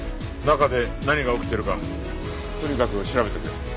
中で何が起きてるかとにかく調べてくれ。